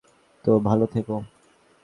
তো, ভালো থেকো।